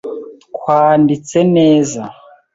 Twanditse neza .